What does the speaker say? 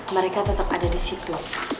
mereka tetap ada disitu